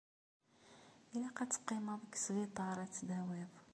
Ilaq ad teqqimeḍ deg sbiṭar ad tdawiḍ.